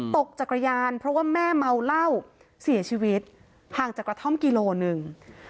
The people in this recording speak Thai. ตกจักรยานเพราะว่าแม่เมาเหล้าเสียชีวิตห่างจากกระท่อมกิโลหนึ่ง